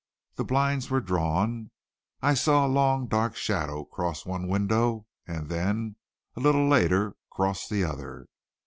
The blinds were drawn. I saw a long, dark shadow cross one window and then, a little later, cross the other.